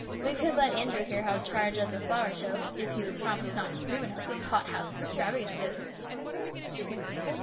We could let Andrew here have charge of the flower show, if he would promise not to ruin us with hot house extravagances."